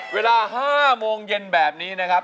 เวลา๕โมงเย็นแบบนี้นะครับ